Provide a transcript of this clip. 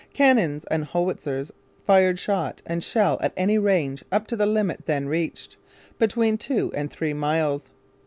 Cannons and howitzers fired shot and shell at any range up to the limit then reached, between two and three miles.